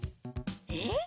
えっ？